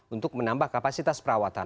untuk menambah kapasitas perawatan